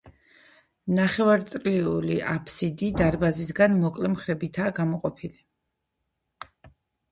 ნახევარწრიული აბსიდი დარბაზისგან მოკლე მხრებითაა გამოყოფილი.